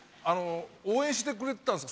応援してくれてたんですか？